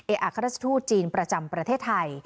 เออาคารัฐธุจีนประจำประเทศไทย